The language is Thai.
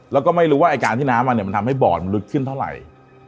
แล้วก็ไม่รู้ว่าไอ้การที่น้ำมันเนี่ยมันทำให้บ่อมันลึกขึ้นเท่าไหร่